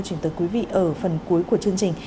chuyển tới quý vị ở phần cuối của chương trình